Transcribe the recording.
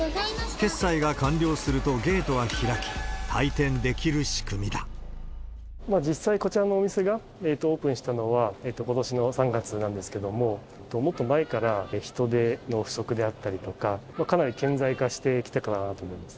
決済が完了するとゲートが開き、実際、こちらのお店がオープンしたのはことしの３月なんですけども、もっと前から人手の不足であったりとか、かなり顕在化してきてたなと思うんです。